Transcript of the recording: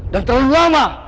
dan terlalu lama